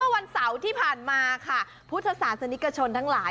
วันเสาร์ที่ผ่านมาค่ะพุทธศาสนิกชนทั้งหลาย